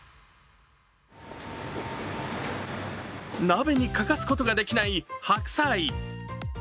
鍋に欠かすことができない白菜。